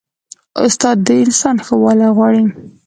استاد د انسان ښه والی غواړي.